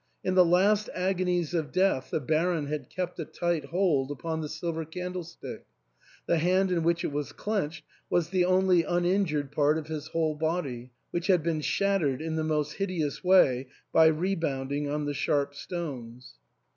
In the last agonies of death the Baron had kept a tight hold upon the silver candlestick ; the hand in which it was clenched was the only uninjured part of his whole body, which had been shattered in the most hideous way by rebounding on the sharp stones.